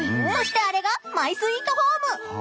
そしてあれがマイスイートホーム。